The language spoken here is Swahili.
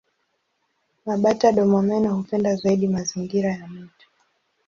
Mabata-domomeno hupenda zaidi mazingira ya mito.